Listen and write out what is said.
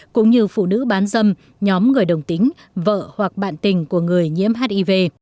cũng như phụ nữ bán dâm nhóm người đồng tính vợ hoặc bạn tình của người nhiễm hiv